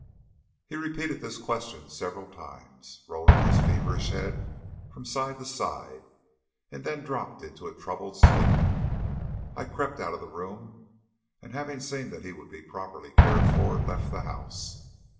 He repeated this question several times, rolling his feverish head from side to side, and then he dropped into a troubled sleep. I crept out of the room, and, having seen that he would be properly cared for, left the house.